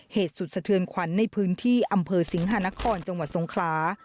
เหตุสุดสะเทือนขวัญในพื้นที่อำเภอสิงหานครจังหวัดทรงคลา